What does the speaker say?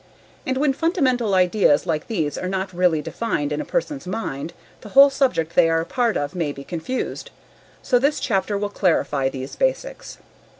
And when fundamental ideas like these are not really defined in a person's mind, the whole subject they are a part of may be confused. So this chapter will clarify these basics.